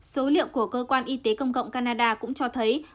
số liệu của cơ quan y tế công cộng canada cũng cho thấy